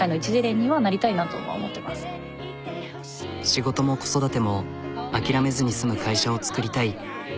仕事も子育ても諦めずに済む会社を作りたい。